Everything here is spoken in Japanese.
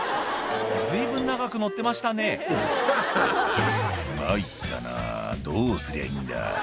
随分長く乗ってましたね「参ったなどうすりゃいいんだ」